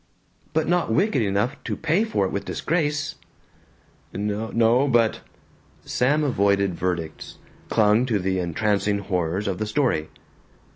"But not wicked enough to pay for it with disgrace?" "N no, but " Sam avoided verdicts, clung to the entrancing horrors of the story.